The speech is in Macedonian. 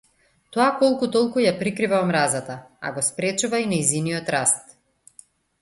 Тоа колку толку ја прикрива омразата, а го спречува и нејзиниот раст.